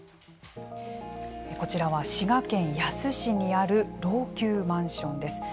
こちらは滋賀県野洲市にある老朽マンションです。